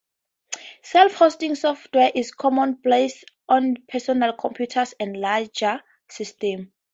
Self-hosting software is commonplace on personal computers and larger systems.